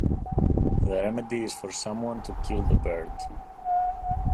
The remedy is for someone to kill the bird.